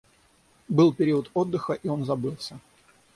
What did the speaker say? Был период отдыха, и он забылся.